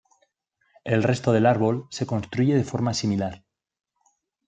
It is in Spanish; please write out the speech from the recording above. El resto del árbol se construye de forma similar.